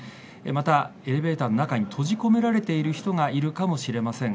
またエレベーターの中に閉じ込められている人がいるかもしれません。